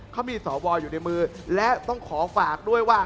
เขามีสวอยู่ในมือและต้องขอฝากด้วยว่า